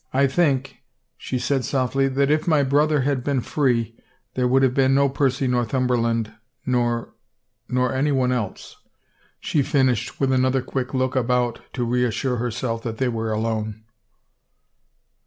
... I think," she said softly, "that if my brother had been free, there would have been no Percy Northumberland nor — nor anyone else," she finished, with another quick look about to reassure herself that they were alone.